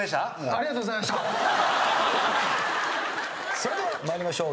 それでは参りましょう。